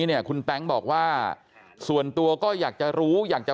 คุณแต่งโมบังบอกว่าส่วนตัวก็อยากจะรู้หรืออยากจะฟังส่วนตัว